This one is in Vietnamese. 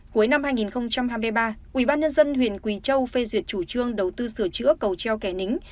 cuối năm hai nghìn hai mươi ba ubnd huyện quỳ châu phê duyệt chủ trương đầu tư sửa chữa cầu treo kẻ nính